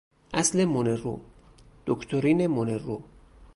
اصل مونرو، دکترین مونرو